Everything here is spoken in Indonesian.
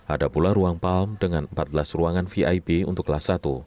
ada pula ruang palm dengan empat belas ruangan vip untuk kelas satu